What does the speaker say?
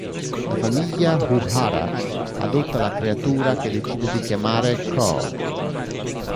La famiglia Uehara adotta la creatura che decide di chiamare Coo.